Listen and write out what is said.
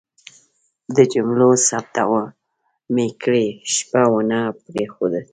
د جملو ثبتول مې کرۍ شپه ونه پرېښود.